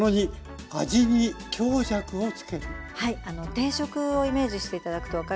定食をイメージして頂くと分かるんですけど